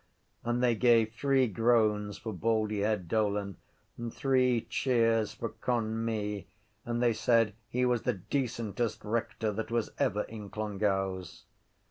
And they gave three groans for Baldyhead Dolan and three cheers for Conmee and they said he was the decentest rector that was ever in Clongowes.